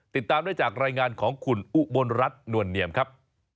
ติดตามได้จากรายงานของคุณอุบลรัฐนวลเนียมครับ